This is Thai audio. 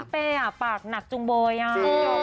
เป้อ่ะปากหนักจุงโบยอ่ะ